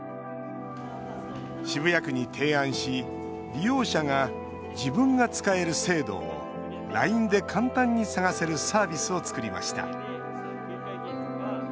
渋谷区に提案し利用者が自分が使える制度をＬＩＮＥで簡単に探せるサービスを作りました。